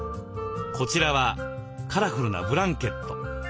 こちらはカラフルなブランケット。